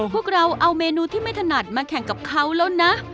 พวกเราเอาเมนูที่ไม่ถนัดมาแข่งกับเขาแล้วนะ